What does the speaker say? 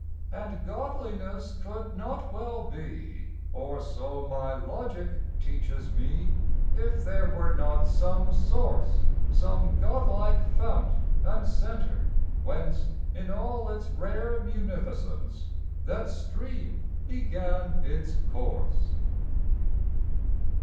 And Godliness could not well be Or so my logic teaches me If there were not some source, Some Godlike fount and center whence In all its rare munificence That stream began its course.